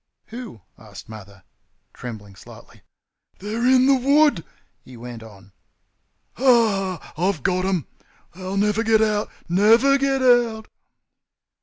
"Who?" asked Mother, trembling slightly. "THEY'RE IN THE WOOD!" he went on. "Ha, ha! I've got them. They'll never get out; NEVER GET OUT!"